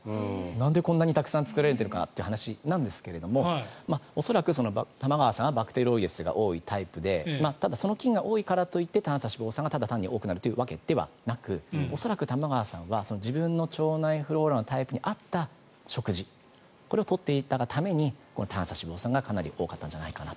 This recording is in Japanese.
なんでこんなにたくさん作られてるかって話なんですが恐らく、玉川さんはバクテロイデスが多いタイプでただ、その菌が多いからといって短鎖脂肪酸がただ単に多くなるということではなく恐らく玉川さんは自分の腸内フローラのタイプに合った食事をこれを取っているがために短鎖脂肪酸がかなり多かったんじゃないかなと。